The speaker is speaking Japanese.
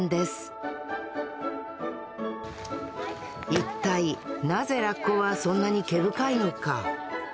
一体なぜラッコはそんなに毛深いのか？